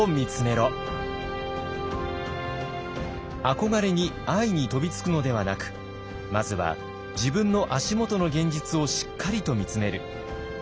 憧れに安易に飛びつくのではなくまずは自分の足元の現実をしっかりと見つめる。